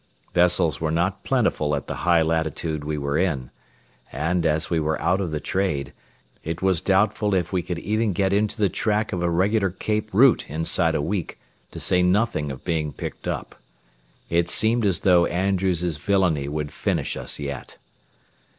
Vessels were not plentiful at the high latitude we were in; and, as we were out of the trade, it was doubtful if we could even get into the track of the regular Cape route inside a week, to say nothing of being picked up. It seemed as though Andrews' villany would finish us yet.